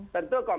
tentu kominfo ada